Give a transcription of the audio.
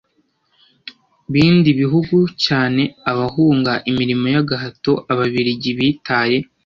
bindi bihugu cyane bahunga imirimo y agahato Ababirigi bitaye